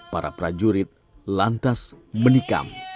para prajurit lantas menikam